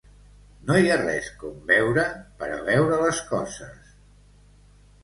No hi ha res com beure per a veure les coses.